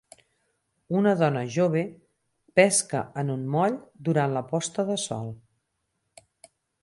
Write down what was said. una dona jove pesca en un moll durant la posta de sol.